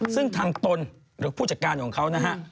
ซึ่งทางตนหรือผู้จัดการของเขานะฮะ